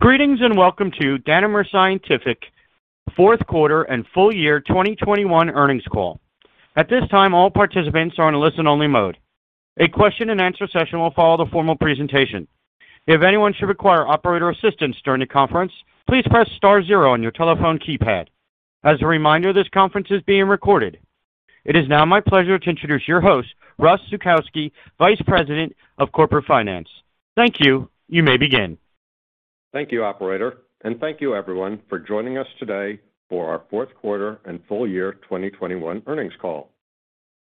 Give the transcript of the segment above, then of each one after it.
Greetings and welcome to Danimer Scientific Fourth Quarter and Full Year 2021 Earnings Call. At this time, all participants are in a listen-only mode. A question-and-answer session will follow the formal presentation. If anyone should require operator assistance during the conference, please press star zero on your telephone keypad. As a reminder, this conference is being recorded. It is now my pleasure to introduce your host, Russ Zukowski, Vice President of Corporate Finance. Thank you. You may begin. Thank you, operator, and thank you everyone for joining us today for our fourth quarter and full year 2021 earnings call.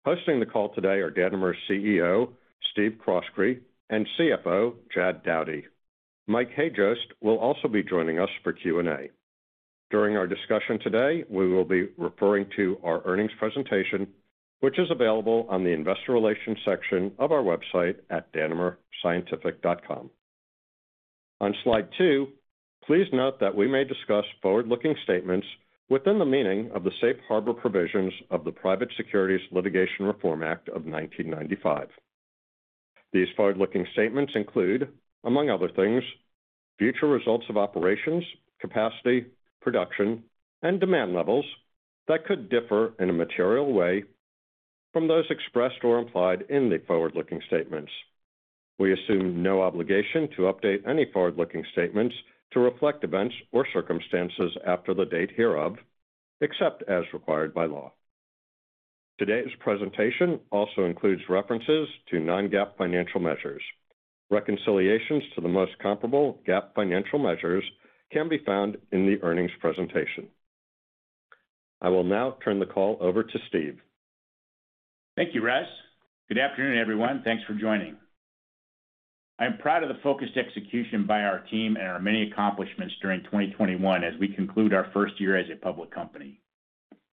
Hosting the call today are Danimer's CEO, Steve Croskrey, and CFO, Jad Dowdy. Mike Hajost will also be joining us for Q&A. During our discussion today, we will be referring to our earnings presentation, which is available on the investor relations section of our website at danimerscientific.com. On slide two, please note that we may discuss forward-looking statements within the meaning of the safe harbor provisions of the Private Securities Litigation Reform Act of 1995. These forward-looking statements include, among other things, future results of operations, capacity, production, and demand levels that could differ in a material way from those expressed or implied in the forward-looking statements. We assume no obligation to update any forward-looking statements to reflect events or circumstances after the date hereof, except as required by law. Today's presentation also includes references to non-GAAP financial measures. Reconciliations to the most comparable GAAP financial measures can be found in the earnings presentation. I will now turn the call over to Steve. Thank you, Russ. Good afternoon, everyone. Thanks for joining. I am proud of the focused execution by our team and our many accomplishments during 2021 as we conclude our first year as a public company.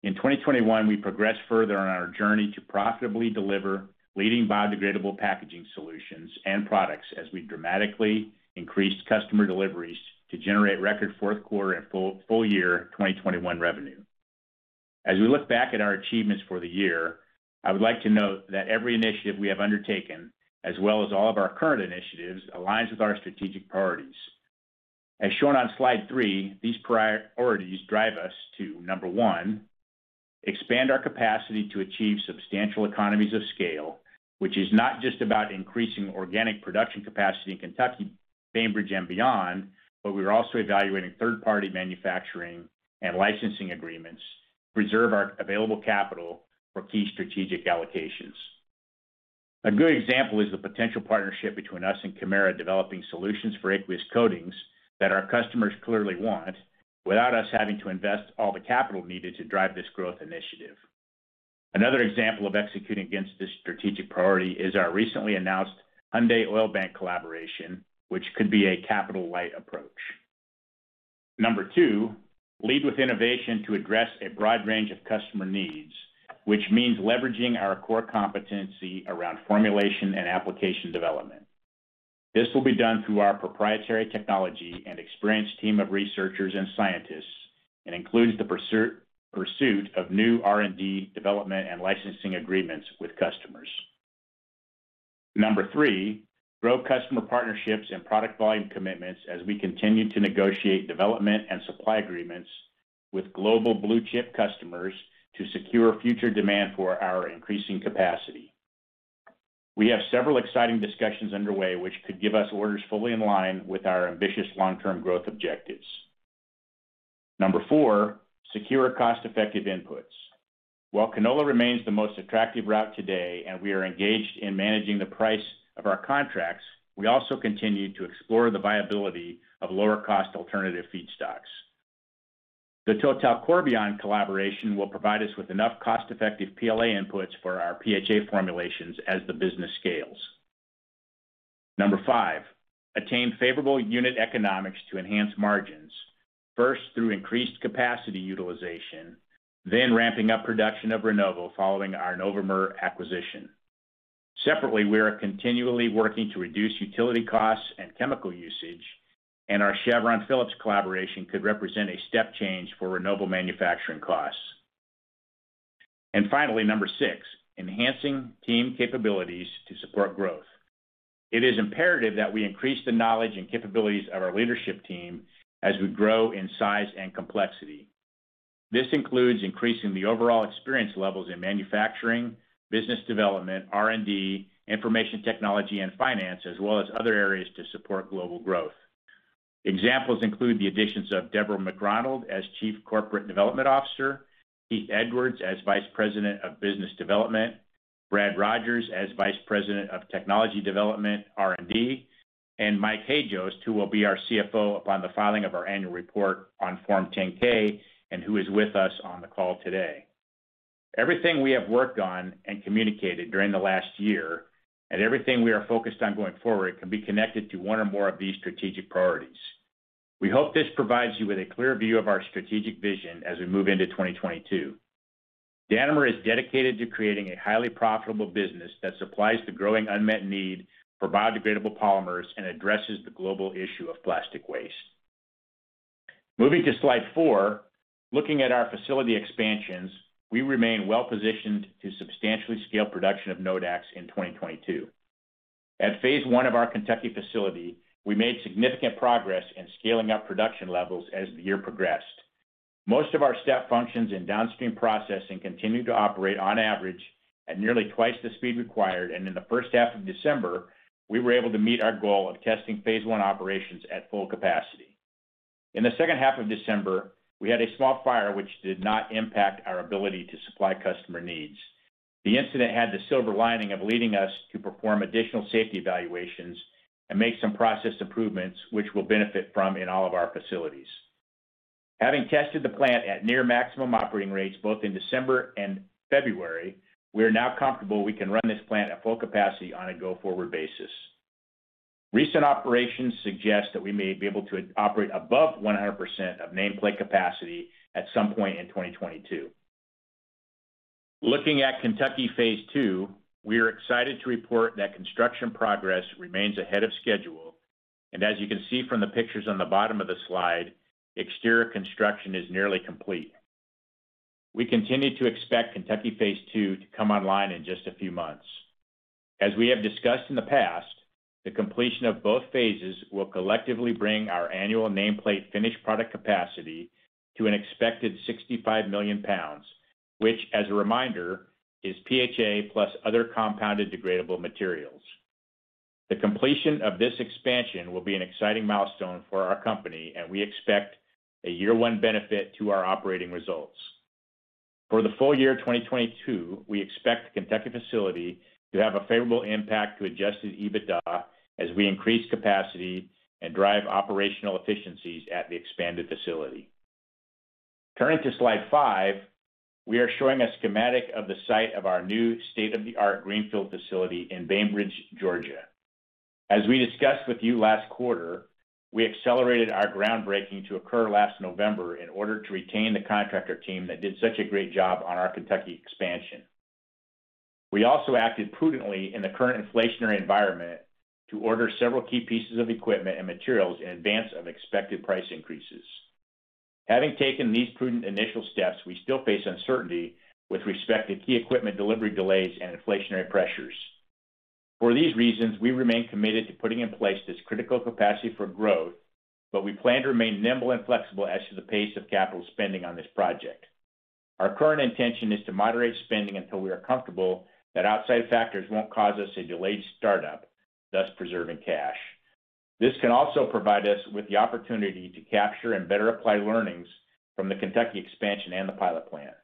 In 2021, we progressed further on our journey to profitably deliver leading biodegradable packaging solutions and products as we dramatically increased customer deliveries to generate record fourth quarter and full year 2021 revenue. As we look back at our achievements for the year, I would like to note that every initiative we have undertaken, as well as all of our current initiatives, aligns with our strategic priorities. As shown on slide three, these priorities drive us to, number one, expand our capacity to achieve substantial economies of scale, which is not just about increasing organic production capacity in Kentucky, Bainbridge, and beyond, but we are also evaluating third-party manufacturing and licensing agreements, preserve our available capital for key strategic allocations. A good example is the potential partnership between us and Kemira developing solutions for aqueous coatings that our customers clearly want without us having to invest all the capital needed to drive this growth initiative. Another example of executing against this strategic priority is our recently announced Hyundai Oilbank collaboration, which could be a capital-light approach. Number two, lead with innovation to address a broad range of customer needs, which means leveraging our core competency around formulation and application development. This will be done through our proprietary technology and experienced team of researchers and scientists and includes the pursuit of new R&D development and licensing agreements with customers. Number three, grow customer partnerships and product volume commitments as we continue to negotiate development and supply agreements with global blue-chip customers to secure future demand for our increasing capacity. We have several exciting discussions underway which could give us orders fully in line with our ambitious long-term growth objectives. Number four, secure cost-effective inputs. While canola remains the most attractive route today and we are engaged in managing the price of our contracts, we also continue to explore the viability of lower cost alternative feedstocks. The Total Corbion collaboration will provide us with enough cost-effective PLA inputs for our PHA formulations as the business scales. Number five, attain favorable unit economics to enhance margins, first through increased capacity utilization, then ramping up production of Rinnovo following our Novomer acquisition. Separately, we are continually working to reduce utility costs and chemical usage, and our Chevron Phillips collaboration could represent a step change for Rinnovo manufacturing costs. Finally, number six, enhancing team capabilities to support growth. It is imperative that we increase the knowledge and capabilities of our leadership team as we grow in size and complexity. This includes increasing the overall experience levels in manufacturing, business development, R&D, information technology, and finance, as well as other areas to support global growth. Examples include the additions of Deborah McRonald as Chief Corporate Development Officer, Keith Edwards as Vice President of Business Development, Brad Rodgers as Vice President of Technology Development, R&D, and Mike Hajost, who will be our CFO upon the filing of our annual report on Form 10-K and who is with us on the call today. Everything we have worked on and communicated during the last year and everything we are focused on going forward can be connected to one or more of these strategic priorities. We hope this provides you with a clear view of our strategic vision as we move into 2022. Danimer is dedicated to creating a highly profitable business that supplies the growing unmet need for biodegradable polymers and addresses the global issue of plastic waste. Moving to slide four, looking at our facility expansions, we remain well positioned to substantially scale production of Nodax in 2022. At phase I of our Kentucky facility, we made significant progress in scaling up production levels as the year progressed. Most of our step functions in downstream processing continued to operate on average at nearly twice the speed required, and in the first half of December, we were able to meet our goal of testing phase I operations at full capacity. In the second half of December, we had a small fire which did not impact our ability to supply customer needs. The incident had the silver lining of leading us to perform additional safety evaluations and make some process improvements, which we'll benefit from in all of our facilities. Having tested the plant at near maximum operating rates both in December and February, we are now comfortable we can run this plant at full capacity on a go-forward basis. Recent operations suggest that we may be able to operate above 100% of nameplate capacity at some point in 2022. Looking at Kentucky Phase II, we are excited to report that construction progress remains ahead of schedule. As you can see from the pictures on the bottom of the slide, exterior construction is nearly complete. We continue to expect Kentucky Phase II to come online in just a few months. As we have discussed in the past, the completion of both phases will collectively bring our annual nameplate finished product capacity to an expected 65 million lbs, which as a reminder, is PHA plus other compounded degradable materials. The completion of this expansion will be an exciting milestone for our company, and we expect a year-one benefit to our operating results. For the full year 2022, we expect the Kentucky facility to have a favorable impact to Adjusted EBITDA as we increase capacity and drive operational efficiencies at the expanded facility. Turning to slide five, we are showing a schematic of the site of our new state-of-the-art greenfield facility in Bainbridge, Georgia. As we discussed with you last quarter, we accelerated our groundbreaking to occur last November in order to retain the contractor team that did such a great job on our Kentucky expansion. We also acted prudently in the current inflationary environment to order several key pieces of equipment and materials in advance of expected price increases. Having taken these prudent initial steps, we still face uncertainty with respect to key equipment delivery delays and inflationary pressures. For these reasons, we remain committed to putting in place this critical capacity for growth, but we plan to remain nimble and flexible as to the pace of capital spending on this project. Our current intention is to moderate spending until we are comfortable that outside factors won't cause us a delayed startup, thus preserving cash. This can also provide us with the opportunity to capture and better apply learnings from the Kentucky expansion and the pilot plant.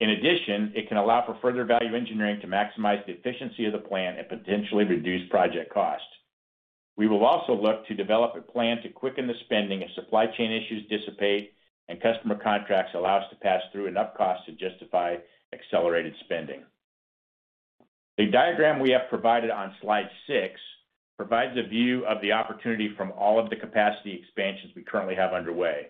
In addition, it can allow for further value engineering to maximize the efficiency of the plant and potentially reduce project costs. We will also look to develop a plan to quicken the spending as supply chain issues dissipate and customer contracts allow us to pass through enough costs to justify accelerated spending. The diagram we have provided on slide six provides a view of the opportunity from all of the capacity expansions we currently have underway.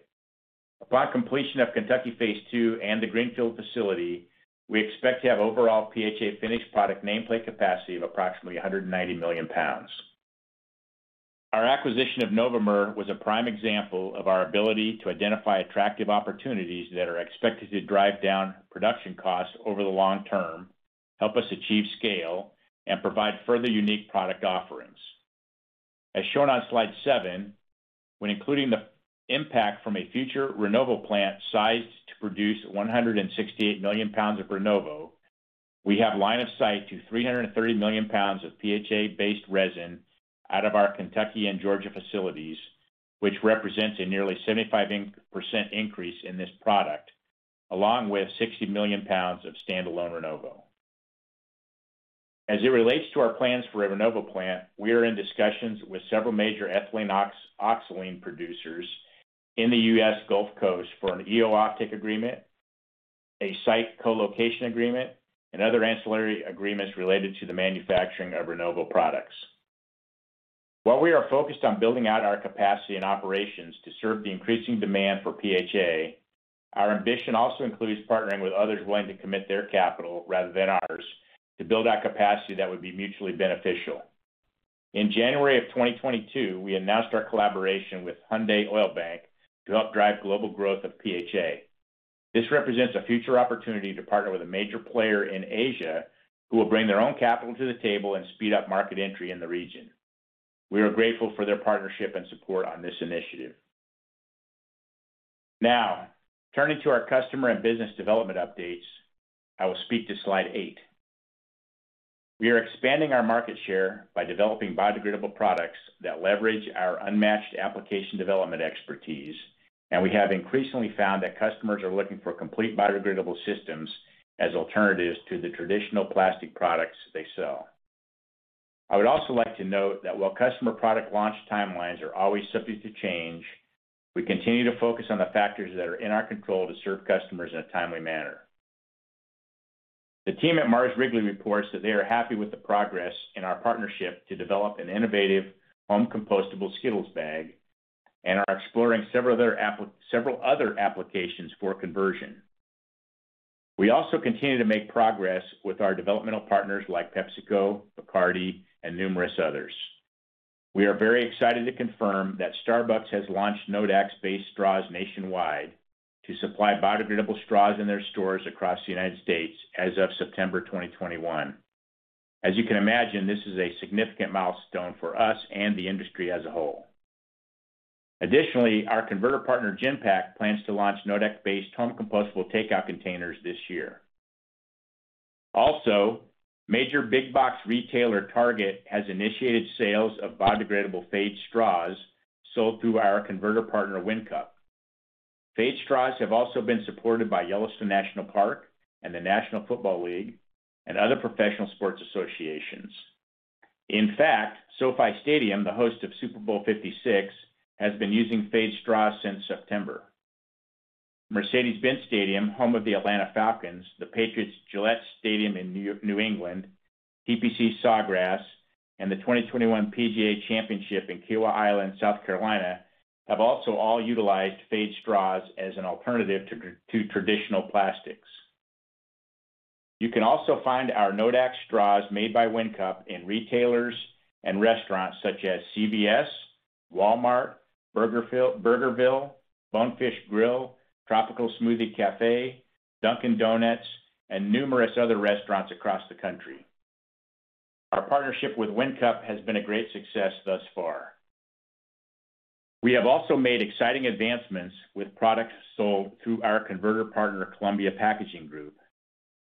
Upon completion of Kentucky Phase II and the greenfield facility, we expect to have overall PHA finished product nameplate capacity of approximately 190 million lbs. Our acquisition of Novomer was a prime example of our ability to identify attractive opportunities that are expected to drive down production costs over the long term, help us achieve scale, and provide further unique product offerings. As shown on slide seven, when including the impact from a future Rinnovo plant sized to produce 168 million lbs of Rinnovo, we have line of sight to 330 million lbs of PHA-based resin out of our Kentucky and Georgia facilities, which represents a nearly 75% increase in this product, along with 60 million lbs of standalone Rinnovo. As it relates to our plans for a Rinnovo plant, we are in discussions with several major ethylene oxide producers in the U.S. Gulf Coast for an EO offtake agreement, a site co-location agreement, and other ancillary agreements related to the manufacturing of Rinnovo products. While we are focused on building out our capacity and operations to serve the increasing demand for PHA, our ambition also includes partnering with others willing to commit their capital rather than ours to build out capacity that would be mutually beneficial. In January of 2022, we announced our collaboration with Hyundai Oilbank to help drive global growth of PHA. This represents a future opportunity to partner with a major player in Asia who will bring their own capital to the table and speed up market entry in the region. We are grateful for their partnership and support on this initiative. Now, turning to our customer and business development updates, I will speak to slide eight. We are expanding our market share by developing biodegradable products that leverage our unmatched application development expertise, and we have increasingly found that customers are looking for complete biodegradable systems as alternatives to the traditional plastic products they sell. I would also like to note that while customer product launch timelines are always subject to change, we continue to focus on the factors that are in our control to serve customers in a timely manner. The team at Mars Wrigley reports that they are happy with the progress in our partnership to develop an innovative home compostable Skittles bag and are exploring several other applications for conversion. We also continue to make progress with our developmental partners like PepsiCo, Bacardi, and numerous others. We are very excited to confirm that Starbucks has launched Nodax-based straws nationwide to supply biodegradable straws in their stores across the United States as of September 2021. As you can imagine, this is a significant milestone for us and the industry as a whole. Additionally, our converter partner, Genpak, plans to launch Nodax-based home compostable takeout containers this year. Also, major big box retailer, Target, has initiated sales of biodegradable phade straws sold through our converter partner, WinCup. Phade straws have also been supported by Yellowstone National Park and the National Football League and other professional sports associations. In fact, SoFi Stadium, the host of Super Bowl 56, has been using phade straws since September. Mercedes-Benz Stadium, home of the Atlanta Falcons, Gillette Stadium in New England, TPC Sawgrass, and the 2021 PGA Championship in Kiawah Island, South Carolina, have also all utilized phade straws as an alternative to traditional plastics. You can also find our Nodax straws made by WinCup in retailers and restaurants such as CVS, Walmart, Burgerville, Bonefish Grill, Tropical Smoothie Cafe, Dunkin' Donuts, and numerous other restaurants across the country. Our partnership with WinCup has been a great success thus far. We have also made exciting advancements with products sold through our converter partner, Columbia Packaging Group.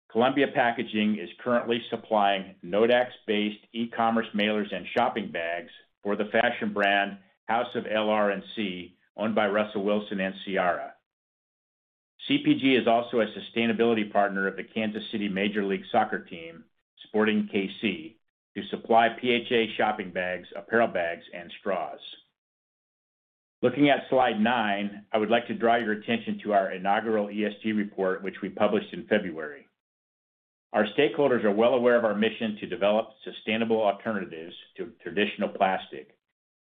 Columbia Packaging is currently supplying Nodax-based e-commerce mailers and shopping bags for the fashion brand, House of LR&C, owned by Russell Wilson and Ciara. CPG is also a sustainability partner of the Kansas City Major League Soccer team, Sporting KC, to supply PHA shopping bags, apparel bags, and straws. Looking at slide nine, I would like to draw your attention to our inaugural ESG report, which we published in February. Our stakeholders are well aware of our mission to develop sustainable alternatives to traditional plastic,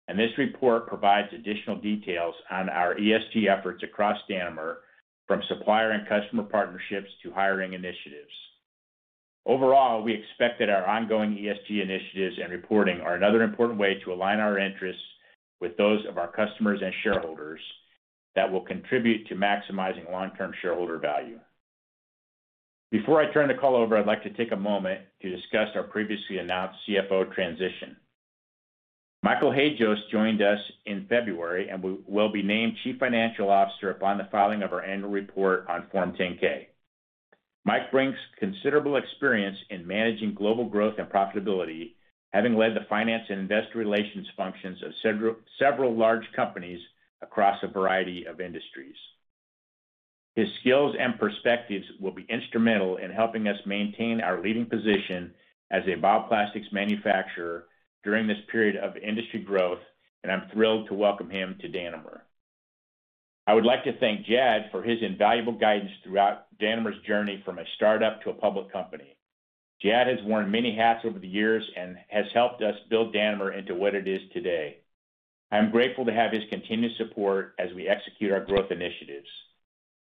and this report provides additional details on our ESG efforts across Danimer from supplier and customer partnerships to hiring initiatives. Overall, we expect that our ongoing ESG initiatives and reporting are another important way to align our interests with those of our customers and shareholders that will contribute to maximizing long-term shareholder value. Before I turn the call over, I'd like to take a moment to discuss our previously announced CFO transition. Michael Hajost joined us in February and will be named Chief Financial Officer upon the filing of our annual report on Form 10-K. Mike brings considerable experience in managing global growth and profitability, having led the finance and investor relations functions of several large companies across a variety of industries. His skills and perspectives will be instrumental in helping us maintain our leading position as a bioplastics manufacturer during this period of industry growth, and I'm thrilled to welcome him to Danimer. I would like to thank Jad for his invaluable guidance throughout Danimer's journey from a startup to a public company. Jad has worn many hats over the years and has helped us build Danimer into what it is today. I am grateful to have his continued support as we execute our growth initiatives.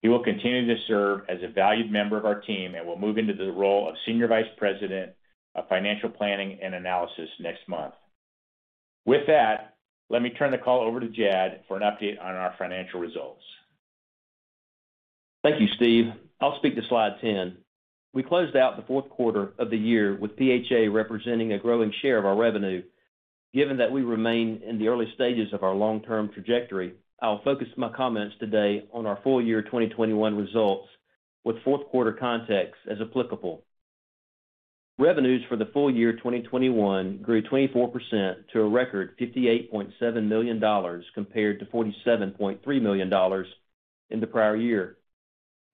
He will continue to serve as a valued member of our team and will move into the role of Senior Vice President of Financial Planning and Analysis next month. With that, let me turn the call over to Jad for an update on our financial results. Thank you, Steve. I'll speak to slide 10. We closed out the fourth quarter of the year with PHA representing a growing share of our revenue. Given that we remain in the early stages of our long-term trajectory, I'll focus my comments today on our full year 2021 results with fourth quarter context as applicable. Revenues for the full year 2021 grew 24% to a record $58.7 million compared to $47.3 million in the prior year.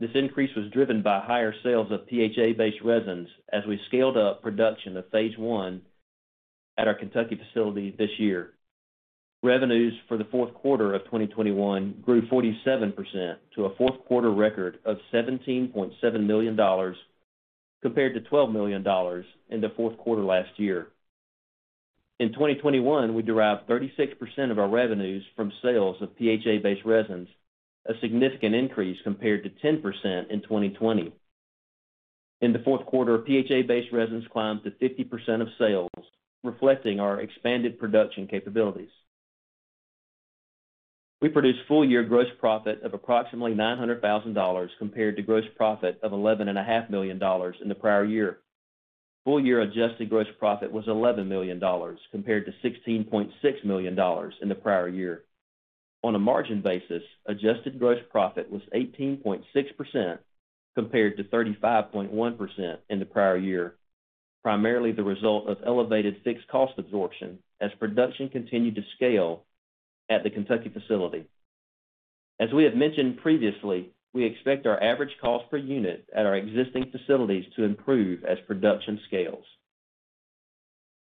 This increase was driven by higher sales of PHA-based resins as we scaled up production of phase I at our Kentucky facility this year. Revenues for the fourth quarter of 2021 grew 47% to a fourth quarter record of $17.7 million compared to $12 million in the fourth quarter last year. In 2021, we derived 36% of our revenues from sales of PHA-based resins, a significant increase compared to 10% in 2020. In the fourth quarter, PHA-based resins climbed to 50% of sales, reflecting our expanded production capabilities. We produced full year gross profit of approximately $900,000 compared to gross profit of $11.5 million in the prior year. Full year adjusted gross profit was $11 million compared to $16.6 million in the prior year. On a margin basis, adjusted gross profit was 18.6% compared to 35.1% in the prior year, primarily the result of elevated fixed cost absorption as production continued to scale at the Kentucky facility. We expect our average cost per unit at our existing facilities to improve as production scales.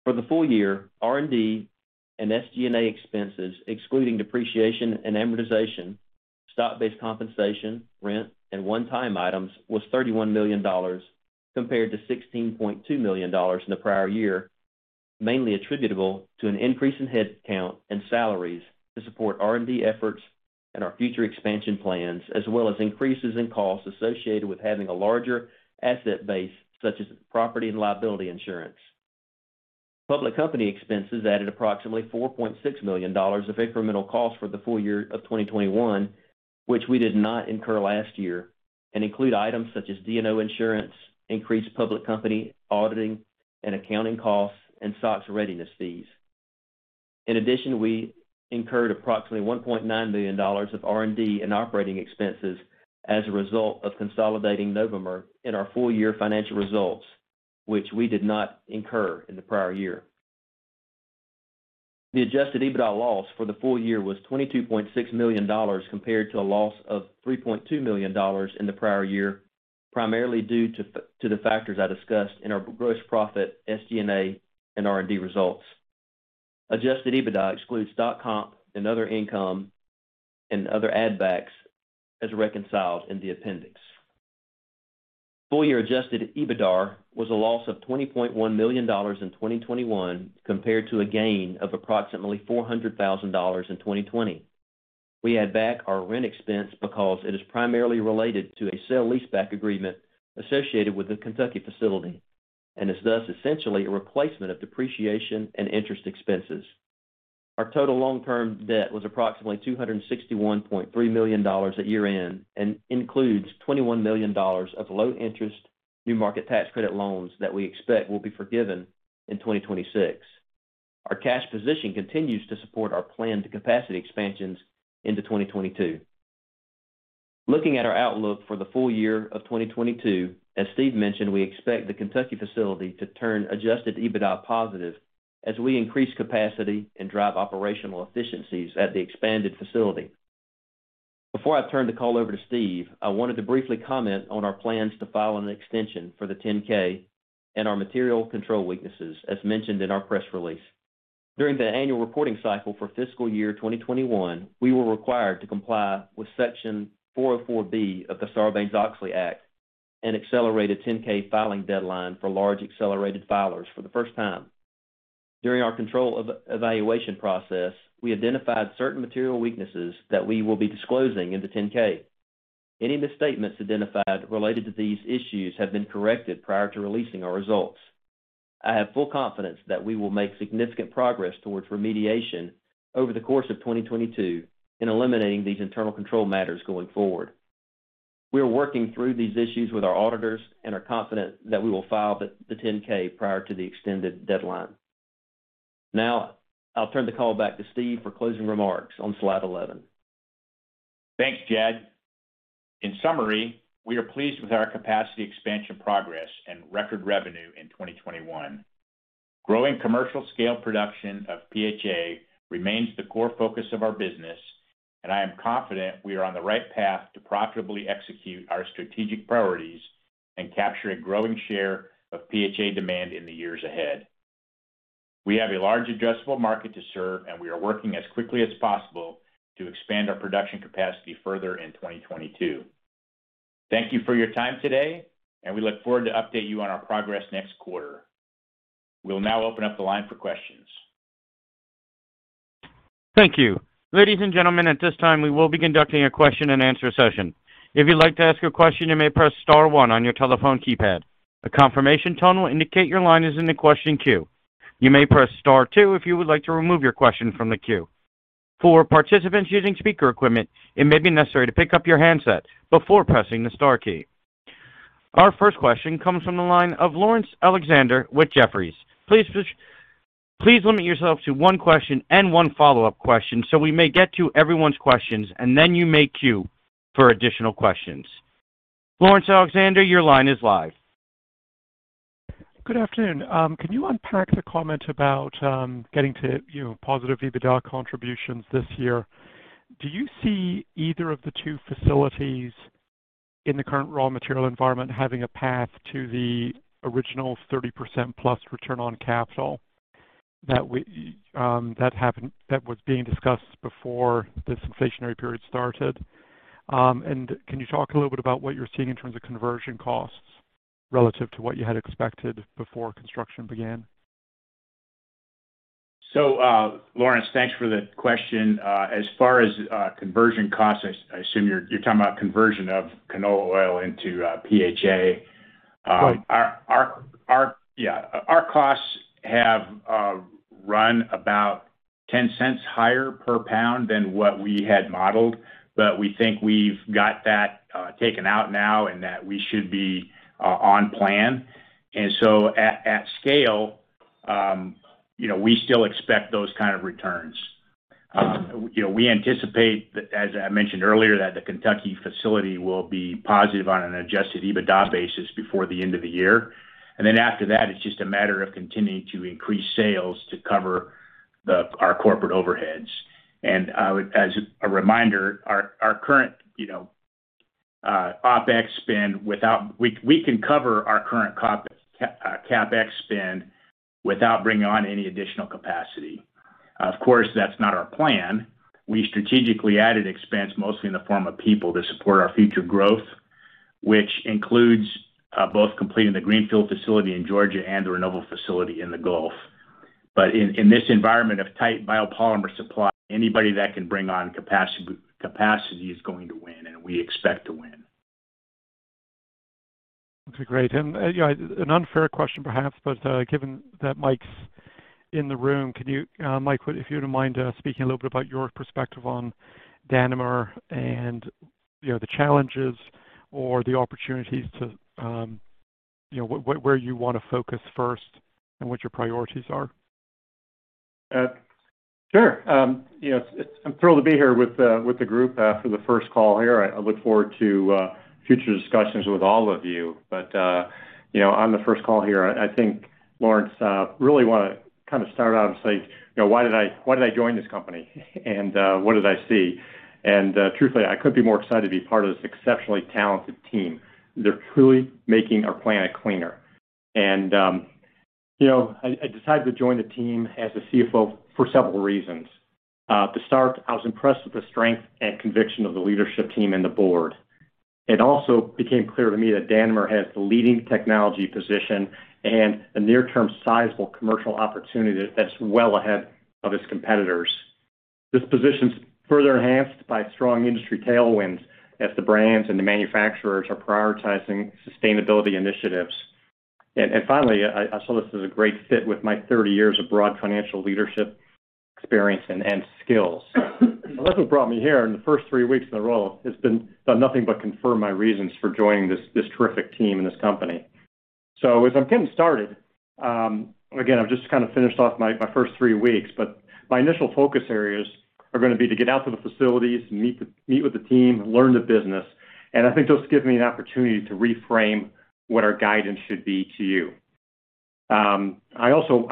For the full year, R&D and SG&A expenses excluding depreciation and amortization, stock-based compensation, rent, and one-time items was $31 million compared to $16.2 million in the prior year. Mainly attributable to an increase in headcount and salaries to support R&D efforts and our future expansion plans, as well as increases in costs associated with having a larger asset base, such as property and liability insurance. Public company expenses added approximately $4.6 million of incremental costs for the full year of 2021, which we did not incur last year, and include items such as D&O insurance, increased public company auditing and accounting costs, and SOX readiness fees. In addition, we incurred approximately $1.9 million of R&D and operating expenses as a result of consolidating Novomer in our full year financial results, which we did not incur in the prior year. The Adjusted EBITDA loss for the full year was $22.6 million compared to a loss of $3.2 million in the prior year, primarily due to the factors I discussed in our gross profit, SG&A, and R&D results. Adjusted EBITDA excludes stock comp and other income and other add backs as reconciled in the appendix. Full year Adjusted EBITDAR was a loss of $20.1 million in 2021 compared to a gain of approximately $400,000 in 2020. We add back our rent expense because it is primarily related to a sale leaseback agreement associated with the Kentucky facility and is thus essentially a replacement of depreciation and interest expenses. Our total long-term debt was approximately $261.3 million at year-end and includes $21 million of low interest new market tax credit loans that we expect will be forgiven in 2026. Our cash position continues to support our plan to capacity expansions into 2022. Looking at our outlook for the full year of 2022, as Steve mentioned, we expect the Kentucky facility to turn Adjusted EBITDA positive as we increase capacity and drive operational efficiencies at the expanded facility. Before I turn the call over to Steve, I wanted to briefly comment on our plans to file an extension for the 10-K and our material control weaknesses, as mentioned in our press release. During the annual reporting cycle for fiscal year 2021, we were required to comply with Section 404(b) of the Sarbanes-Oxley Act and accelerate a 10-K filing deadline for large accelerated filers for the first time. During our control evaluation process, we identified certain material weaknesses that we will be disclosing in the 10-K. Any misstatements identified related to these issues have been corrected prior to releasing our results. I have full confidence that we will make significant progress towards remediation over the course of 2022 in eliminating these internal control matters going forward. We are working through these issues with our auditors and are confident that we will file the 10-K prior to the extended deadline. Now I'll turn the call back to Steve for closing remarks on slide 11. Thanks, Jad. In summary, we are pleased with our capacity expansion progress and record revenue in 2021. Growing commercial scale production of PHA remains the core focus of our business, and I am confident we are on the right path to profitably execute our strategic priorities and capture a growing share of PHA demand in the years ahead. We have a large addressable market to serve, and we are working as quickly as possible to expand our production capacity further in 2022. Thank you for your time today, and we look forward to update you on our progress next quarter. We'll now open up the line for questions. Thank you. Ladies and gentlemen, at this time we will be conducting a question-and-answer session. If you'd like to ask a question, you may press star one on your telephone keypad. A confirmation tone will indicate your line is in the question queue. You may press star two if you would like to remove your question from the queue. For participants using speaker equipment, it may be necessary to pick up your handset before pressing the star key. Our first question comes from the line of Laurence Alexander with Jefferies. Please limit yourself to one question and one follow-up question so we may get to everyone's questions, and then you may queue for additional questions. Laurence Alexander, your line is live. Good afternoon. Can you unpack the comment about getting to, you know, positive EBITDA contributions this year? Do you see either of the two facilities in the current raw material environment having a path to the original 30%+ return on capital that was being discussed before this inflationary period started? Can you talk a little bit about what you're seeing in terms of conversion costs relative to what you had expected before construction began? Laurence, thanks for the question. As far as conversion costs, I assume you're talking about conversion of canola oil into PHA. Right. Yeah, our costs have run about $0.10 higher per lbs than what we had modeled. We think we've got that taken out now and that we should be on plan. At scale, you know, we still expect those kind of returns. You know, we anticipate that, as I mentioned earlier, that the Kentucky facility will be positive on an Adjusted EBITDA basis before the end of the year. After that, it's just a matter of continuing to increase sales to cover our corporate overheads. As a reminder, our current, you know, OpEx spend. We can cover our current CapEx spend without bringing on any additional capacity. Of course, that's not our plan. We strategically added expense mostly in the form of people to support our future growth, which includes both completing the greenfield facility in Georgia and the Rinnovo facility in the Gulf. In this environment of tight biopolymer supply, anybody that can bring on capacity is going to win, and we expect to win. Okay, great. You know, an unfair question perhaps, but given that Mike's in the room, can you, Mike, if you don't mind speaking a little bit about your perspective on Danimer and, you know, the challenges or the opportunities to, you know, where you wanna focus first and what your priorities are? Sure. You know, I'm thrilled to be here with the group for the first call here. I look forward to future discussions with all of you. You know, on the first call here, I think Laurence really wanna kind of start out and say, you know, why did I join this company? And what did I see? Truthfully, I couldn't be more excited to be part of this exceptionally talented team. They're truly making our planet cleaner. You know, I decided to join the team as a CFO for several reasons. To start, I was impressed with the strength and conviction of the leadership team and the board. It also became clear to me that Danimer has the leading technology position and a near-term sizable commercial opportunity that's well ahead of its competitors. This position's further enhanced by strong industry tailwinds as the brands and the manufacturers are prioritizing sustainability initiatives. Finally, I saw this as a great fit with my 30 years of broad financial leadership experience and skills. That's what brought me here in the first three weeks in the role. It's been nothing but confirm my reasons for joining this terrific team and this company. As I'm getting started, again, I've just kind of finished off my first three weeks, but my initial focus areas are gonna be to get out to the facilities, meet with the team, learn the business, and I think this will give me an opportunity to reframe what our guidance should be to you. I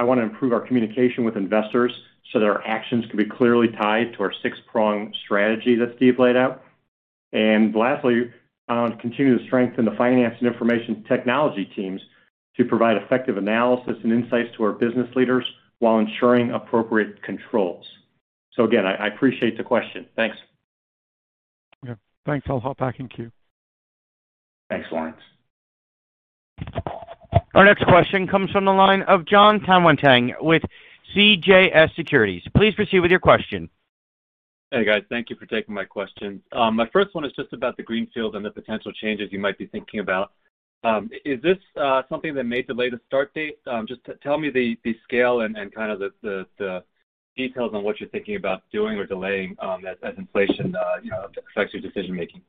wanna improve our communication with investors so that our actions can be clearly tied to our six-prong strategy that Steve laid out. Lastly, continue to strengthen the finance and information technology teams to provide effective analysis and insights to our business leaders while ensuring appropriate controls. Again, I appreciate the question. Thanks. Yeah. Thanks. I'll hop back in queue. Thanks, Laurence. Our next question comes from the line of Jonathan Tanwanteng with CJS Securities. Please proceed with your question. Hey, guys. Thank you for taking my question. My first one is just about the greenfield and the potential changes you might be thinking about. Is this something that made the latest start date? Just tell me the scale and kind of the details on what you're thinking about doing or delaying, as inflation, you know, affects your decision-making.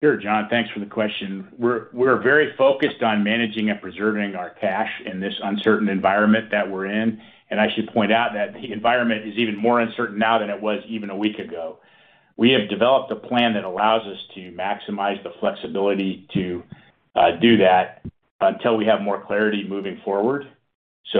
Sure, Jon. Thanks for the question. We're very focused on managing and preserving our cash in this uncertain environment that we're in. I should point out that the environment is even more uncertain now than it was even a week ago. We have developed a plan that allows us to maximize the flexibility to do that until we have more clarity moving forward.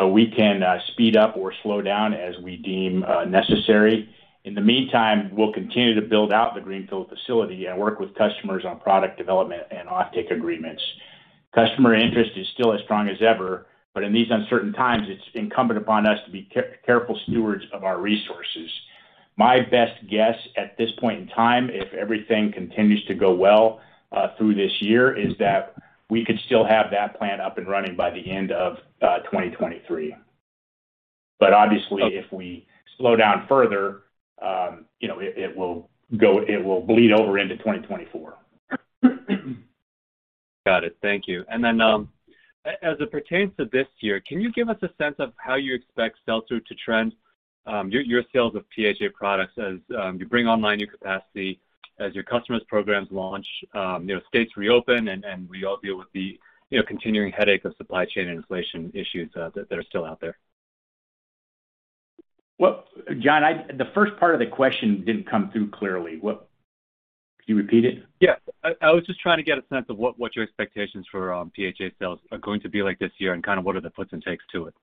We can speed up or slow down as we deem necessary. In the meantime, we'll continue to build out the greenfield facility and work with customers on product development and offtake agreements. Customer interest is still as strong as ever, but in these uncertain times, it's incumbent upon us to be careful stewards of our resources. My best guess at this point in time, if everything continues to go well through this year, is that we could still have that plant up and running by the end of 2023. Obviously, if we slow down further, you know, it will bleed over into 2024. Got it. Thank you. As it pertains to this year, can you give us a sense of how you expect sell-through to trend, your sales of PHA products as you bring online new capacity, as your customers' programs launch, you know, states reopen and we all deal with the you know, continuing headache of supply chain and inflation issues that are still out there? Well, Jon, the first part of the question didn't come through clearly. Can you repeat it? Yeah. I was just trying to get a sense of what your expectations for PHA sales are going to be like this year and kind of what are the puts and takes to it.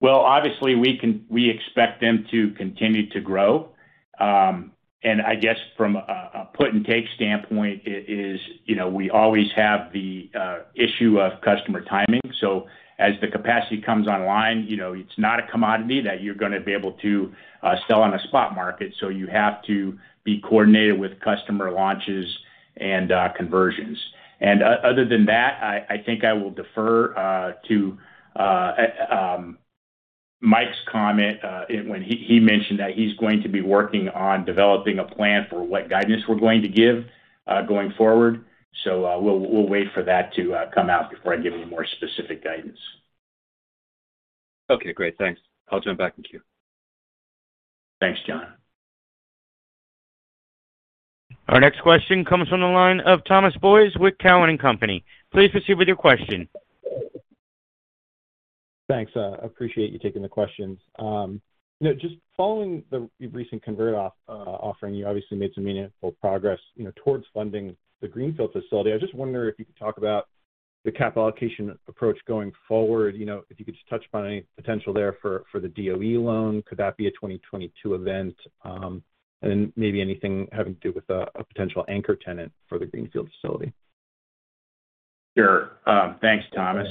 Well, obviously, we expect them to continue to grow. I guess from a put and take standpoint, you know, we always have the issue of customer timing. As the capacity comes online, you know, it's not a commodity that you're gonna be able to sell on a spot market, so you have to be coordinated with customer launches and conversions. Other than that, I think I will defer to Mike's comment when he mentioned that he's going to be working on developing a plan for what guidance we're going to give going forward. We'll wait for that to come out before I give any more specific guidance. Okay, great. Thanks. I'll jump back in queue. Thanks, Jon. Our next question comes from the line of Thomas Boyes with Cowen and Company. Please proceed with your question. Thanks. Appreciate you taking the questions. You know, just following the recent convert offering, you obviously made some meaningful progress, you know, towards funding the greenfield facility. I was just wondering if you could talk about the capital allocation approach going forward. You know, if you could just touch upon any potential there for the DOE loan, could that be a 2022 event? Maybe anything having to do with a potential anchor tenant for the greenfield facility. Sure. Thanks, Thomas.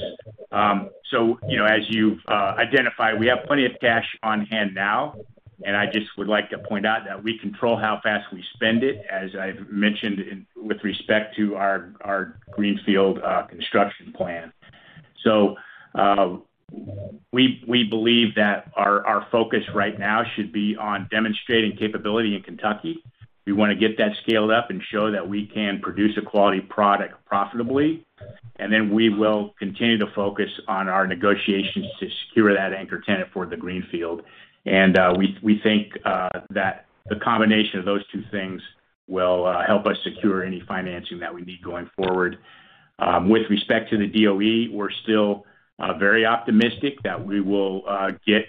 You know, as you've identified, we have plenty of cash on hand now, and I just would like to point out that we control how fast we spend it, as I've mentioned with respect to our greenfield construction plan. We believe that our focus right now should be on demonstrating capability in Kentucky. We wanna get that scaled up and show that we can produce a quality product profitably. Then we will continue to focus on our negotiations to secure that anchor tenant for the greenfield. We think that the combination of those two things will help us secure any financing that we need going forward. With respect to the DOE, we're still very optimistic that we will get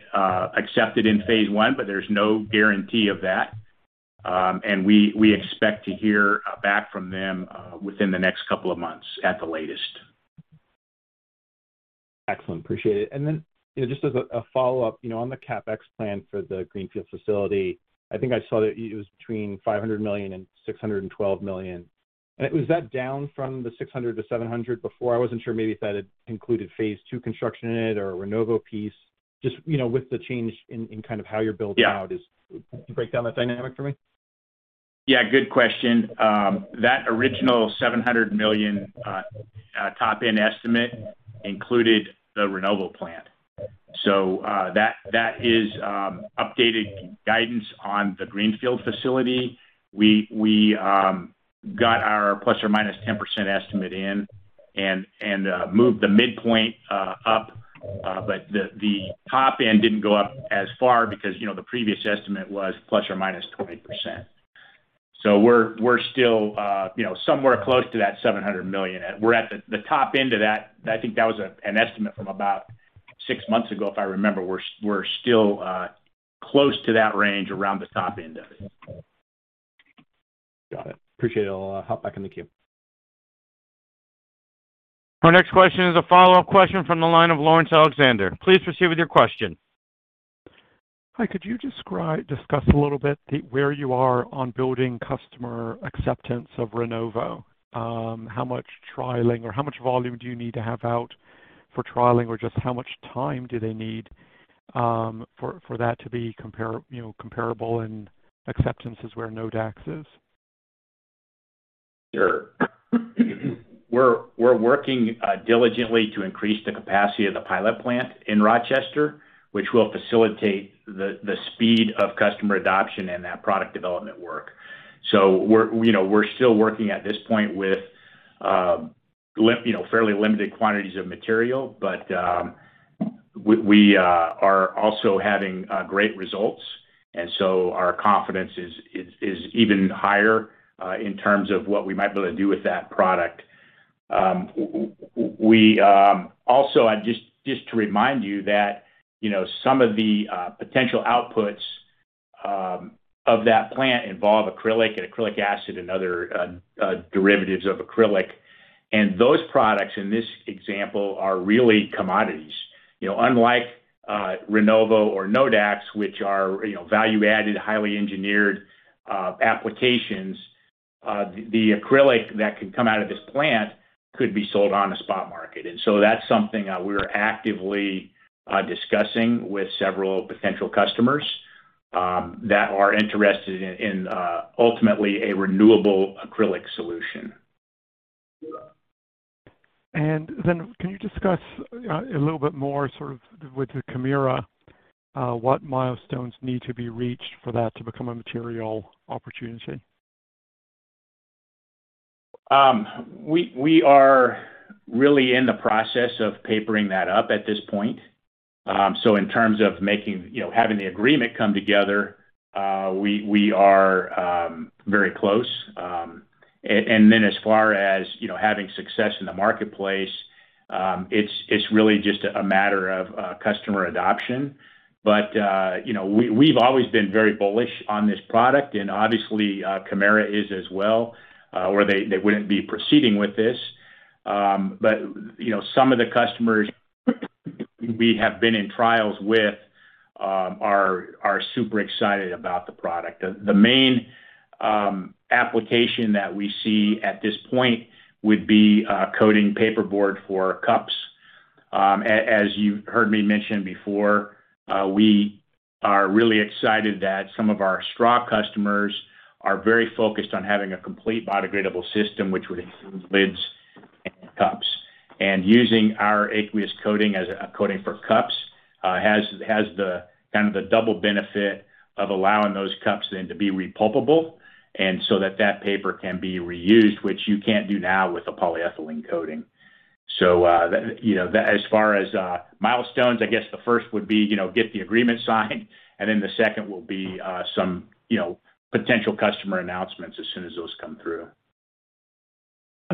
accepted in phase I, but there's no guarantee of that. We expect to hear back from them within the next couple of months at the latest. Excellent. Appreciate it. Then, you know, just as a follow-up, you know, on the CapEx plan for the greenfield facility, I think I saw that it was between $500 million and $612 million. Was that down from the $600 million-$700 million before? I wasn't sure maybe if that had included phase II construction in it or Rinnovo piece. Just, you know, with the change in kind of how you're building out- Yeah. Can you break down that dynamic for me? Yeah, good question. That original $700 million top-end estimate included the Rinnovo plant. That is updated guidance on the greenfield facility. We got our ±10% estimate in and moved the midpoint up. But the top end didn't go up as far because, you know, the previous estimate was ±20%. So we're still, you know, somewhere close to that $700 million. We're at the top end of that. I think that was an estimate from about six months ago, if I remember. We're still close to that range around the top end of it. Okay. Got it. Appreciate it all. I'll hop back in the queue. Our next question is a follow-up question from the line of Laurence Alexander. Please proceed with your question. Hi. Could you discuss a little bit where you are on building customer acceptance of Rinnovo? How much trialing or how much volume do you need to have out for trialing or just how much time do they need for that to be comparable, you know, in acceptance as where Nodax is? Sure. We're working diligently to increase the capacity of the pilot plant in Rochester, which will facilitate the speed of customer adoption and that product development work. We're still working at this point with, you know, fairly limited quantities of material, but we are also having great results. Our confidence is even higher in terms of what we might be able to do with that product. Also, just to remind you that, you know, some of the potential outputs of that plant involve acrylic and acrylic acid and other derivatives of acrylic. Those products in this example are really commodities. You know, unlike Rinnovo or Nodax, which are, you know, value-added, highly engineered applications, the acrylic that can come out of this plant could be sold on the spot market. That's something we are actively discussing with several potential customers that are interested in ultimately a renewable acrylic solution. Can you discuss a little bit more sort of with the Kemira what milestones need to be reached for that to become a material opportunity? We are really in the process of papering that up at this point. In terms of making you know, having the agreement come together, we are very close. As far as you know, having success in the marketplace, it's really just a matter of customer adoption. You know, we've always been very bullish on this product and obviously, Kemira is as well, or they wouldn't be proceeding with this. You know, some of the customers we have been in trials with are super excited about the product. The main application that we see at this point would be coating paperboard for cups. As you've heard me mention before, we are really excited that some of our straw customers are very focused on having a complete biodegradable system which would include lids and cups. Using our aqueous coating as a coating for cups has the kind of the double benefit of allowing those cups then to be repulpable, and so that paper can be reused, which you can't do now with a polyethylene coating. As far as milestones, I guess the first would be, you know, get the agreement signed, and then the second will be, some, you know, potential customer announcements as soon as those come through.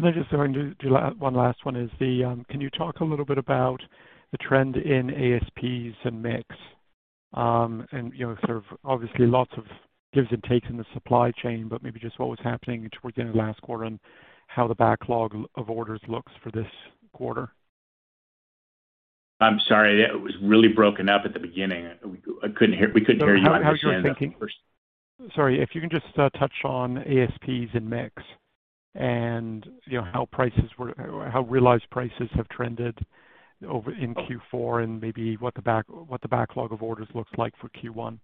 Then just going to do one last one. Can you talk a little bit about the trend in ASPs and mix? You know, sort of obviously lots of gives and takes in the supply chain, but maybe just what was happening towards the end of last quarter and how the backlog of orders looks for this quarter. I'm sorry, that was really broken up at the beginning. We couldn't hear you. How are you thinking- Understand that first. Sorry, if you can just touch on ASPs and mix and, you know, how realized prices have trended over in Q4, and maybe what the backlog of orders looks like for Q1?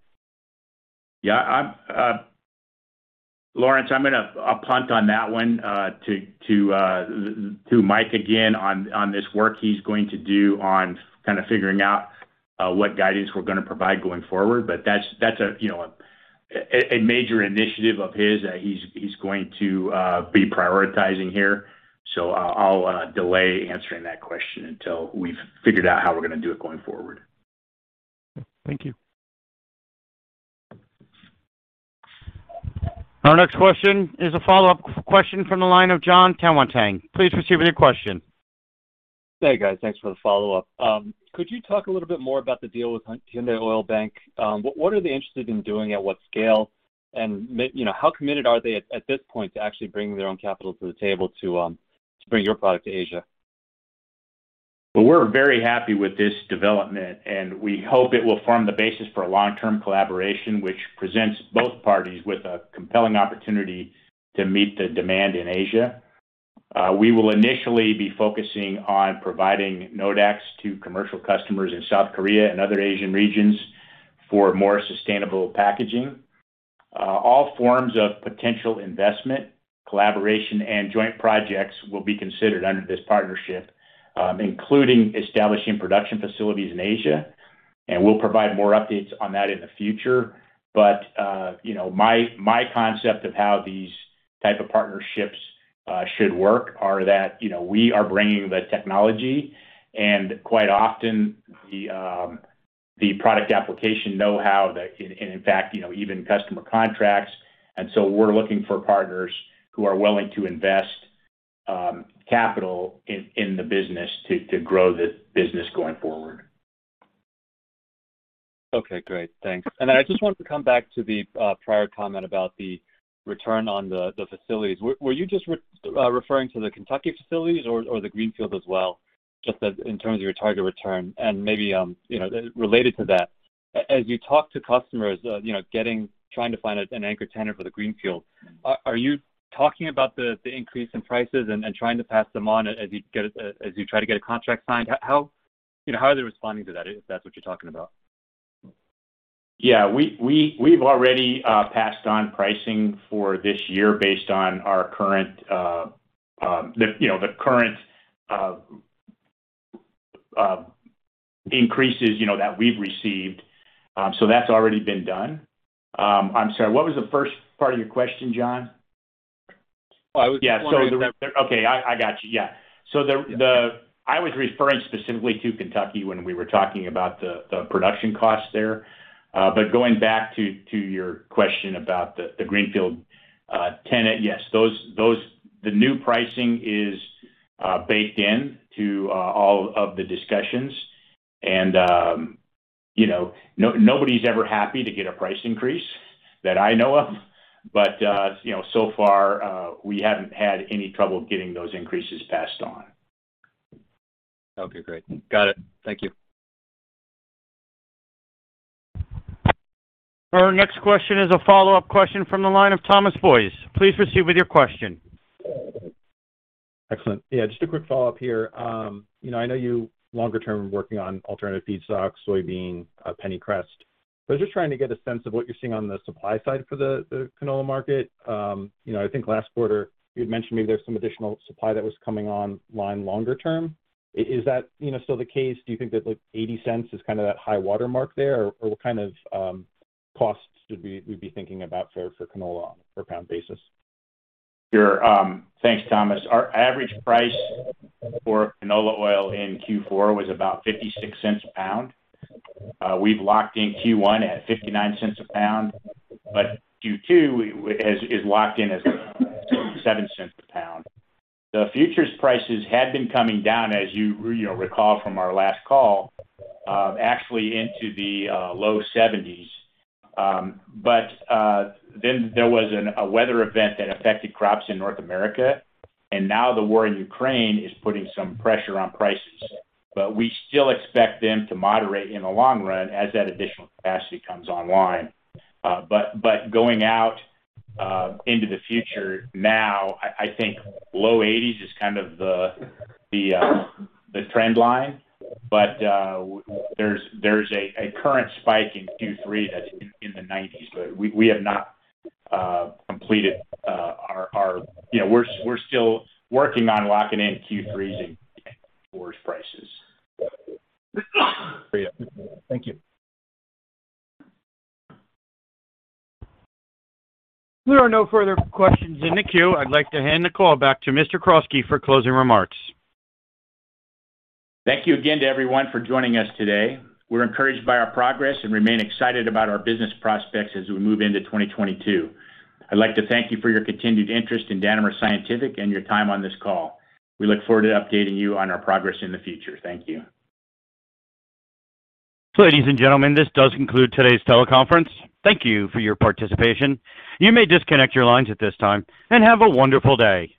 Yeah, Laurence, I'm gonna punt on that one to Mike again on this work he's going to do on kinda figuring out what guidance we're gonna provide going forward. That's a, you know, a major initiative of his that he's going to be prioritizing here. I'll delay answering that question until we've figured out how we're gonna do it going forward. Thank you. Our next question is a follow-up question from the line of Jonathan Tanwanteng. Please proceed with your question. Hey, guys. Thanks for the follow-up. Could you talk a little bit more about the deal with Hyundai Oilbank? What are they interested in doing? At what scale? You know, how committed are they at this point to actually bring their own capital to the table to bring your product to Asia? Well, we're very happy with this development, and we hope it will form the basis for a long-term collaboration which presents both parties with a compelling opportunity to meet the demand in Asia. We will initially be focusing on providing Nodax to commercial customers in South Korea and other Asian regions for more sustainable packaging. All forms of potential investment, collaboration, and joint projects will be considered under this partnership, including establishing production facilities in Asia, and we'll provide more updates on that in the future. You know, my concept of how these type of partnerships should work are that, you know, we are bringing the technology and quite often the product application know-how that in fact, you know, even customer contracts. We're looking for partners who are willing to invest capital in the business to grow the business going forward. Okay. Great. Thanks. Then I just wanted to come back to the prior comment about the return on the facilities. Were you just referring to the Kentucky facilities or the greenfield as well, just as in terms of your target return? Maybe you know, related to that, as you talk to customers, you know, trying to find an anchor tenant for the greenfield, are you talking about the increase in prices and trying to pass them on as you try to get a contract signed? How you know, how are they responding to that if that's what you're talking about? Yeah. We've already passed on pricing for this year based on the current increases, you know, that we've received. That's already been done. I'm sorry, what was the first part of your question, Jon? Oh, I was just wondering. I was referring specifically to Kentucky when we were talking about the production costs there. But going back to your question about the greenfield tenant. Yes, the new pricing is baked in to all of the discussions. You know, nobody's ever happy to get a price increase that I know of. You know, so far, we haven't had any trouble getting those increases passed on. Okay, great. Got it. Thank you. Our next question is a follow-up question from the line of Thomas Boyes. Please proceed with your question. Excellent. Yeah, just a quick follow-up here. You know, I know you longer term are working on alternative feedstocks, soybean, pennycress. I was just trying to get a sense of what you're seeing on the supply side for the canola market. You know, I think last quarter you'd mentioned maybe there's some additional supply that was coming online longer term. Is that, you know, still the case? Do you think that, like, $0.80 is kinda that high watermark there? Or what kind of costs should we be thinking about for canola on a per pound basis? Sure. Thanks, Thomas. Our average price for canola oil in Q4 was about $0.56 a lbs. We've locked in Q1 at $0.59 a lbs, but Q2 is locked in as $0.07 a lbs. The futures prices had been coming down, as you know, recall from our last call, actually into the low $0.70. Then there was a weather event that affected crops in North America, and now the war in Ukraine is putting some pressure on prices. We still expect them to moderate in the long run as that additional capacity comes online. Going out into the future now, I think low $0.80 is kind of the trend line. There's a current spike in Q3 that's in the $0.90. We have not completed our, you know. We're still working on locking in Q3's forward prices. Great. Thank you. There are no further questions in the queue. I'd like to hand the call back to Mr. Croskrey for closing remarks. Thank you again to everyone for joining us today. We're encouraged by our progress and remain excited about our business prospects as we move into 2022. I'd like to thank you for your continued interest in Danimer Scientific and your time on this call. We look forward to updating you on our progress in the future. Thank you. Ladies and gentlemen, this does conclude today's teleconference. Thank you for your participation. You may disconnect your lines at this time, and have a wonderful day.